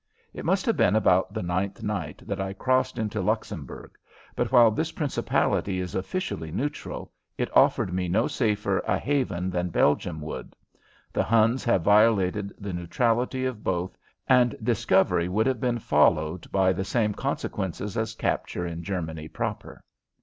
It must have been about the ninth night that I crossed into Luxembourg, but while this principality is officially neutral, it offered me no safer a haven than Belgium would. The Huns have violated the neutrality of both and discovery would have been followed by the same consequences as capture in Germany proper.